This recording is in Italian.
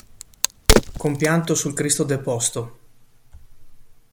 Compianto sul Cristo deposto